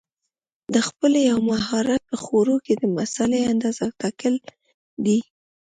د پخلي یو مهارت په خوړو کې د مسالې اندازه ټاکل دي.